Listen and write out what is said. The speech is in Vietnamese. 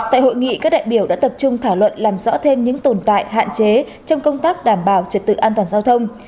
tại hội nghị các đại biểu đã tập trung thảo luận làm rõ thêm những tồn tại hạn chế trong công tác đảm bảo trật tự an toàn giao thông